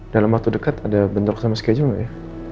dalam waktu dekat ada bentrok sama skejo gak ya